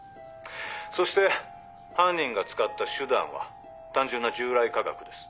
そして犯人が使った手段は単純な従来科学です。